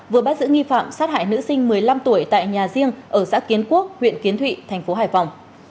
vừa bắt giữ nghi phạm sát hại nữ sinh một mươi năm tuổi tại nhà riêng ở xã kiến quốc huyện kiến thụy thành phố hải phòng